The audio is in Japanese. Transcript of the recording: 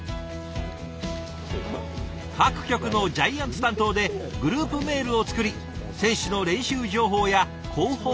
各局のジャイアンツ担当でグループメールを作り選手の練習情報や広報発表